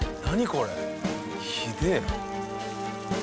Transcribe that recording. これひでえな。